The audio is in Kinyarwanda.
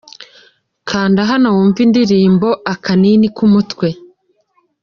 Kanda hano wumve indirimbo Akanini k'umutwe.